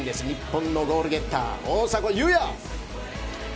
日本のゴールゲッター大迫勇也。